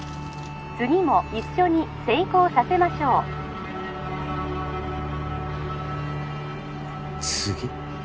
☎次も一緒に成功させましょう次？